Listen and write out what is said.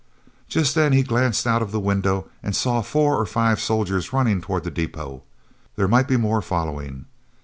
Just then he glanced out of the window and saw four or five soldiers running toward the depot. There might be more following.